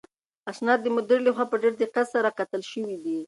اسناد د مدیر لخوا په ډېر دقت سره کتل شوي دي.